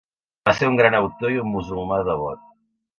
Va ser un gran autor i un musulmà devot.